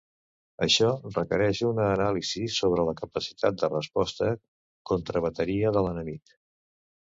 Això requereix una anàlisi sobre la capacitat de resposta contrabateria de l'enemic.